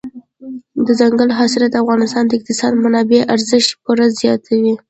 دځنګل حاصلات د افغانستان د اقتصادي منابعو ارزښت پوره زیاتوي.